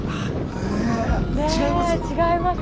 へえ違います？